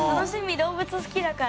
動物好きだから。